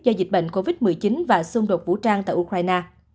do dịch bệnh covid một mươi chín và xung đột vũ trang tại ukraine